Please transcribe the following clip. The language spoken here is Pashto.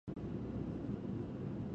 خپله ژبه او کلتور وپالو.